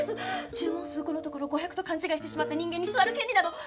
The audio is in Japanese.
注文数５のところ５００と勘違いしてしまった人間に座る権利など！